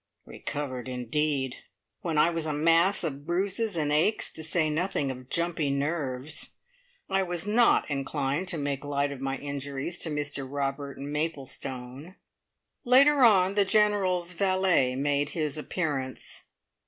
Recovered, indeed! When I was a mass of bruises and aches, to say nothing of jumpy nerves. I was not inclined to make light of my injuries to Mr Robert Maplestone. Later on the General's valet made his appearance.